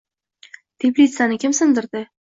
Teplitsani kim sindirdi?